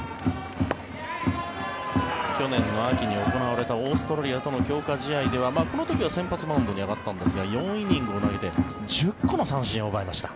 去年の秋に行われたオーストラリアとの強化試合ではこの時は先発マウンドに上がったんですが４イニングを投げて１０個の三振を奪いました。